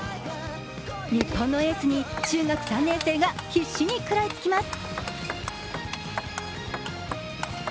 日本のエースに中学３年生が必死に食らいつきます。